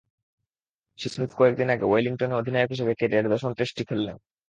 সেই স্মিথ কয়েক দিন আগে ওয়েলিংটনে অধিনায়ক হিসেবে ক্যারিয়ারের দশম টেস্টটি খেললেন।